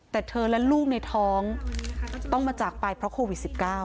แต่เธอและลูกในท้องต้องมาจากไปเพราะโควิด๑๙